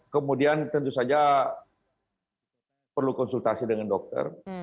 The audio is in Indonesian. kemudian tentu saja perlu konsultasi dengan dokter